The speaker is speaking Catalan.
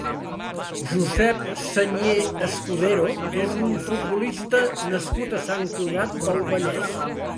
Josep Señé Escudero és un futbolista nascut a Sant Cugat del Vallès.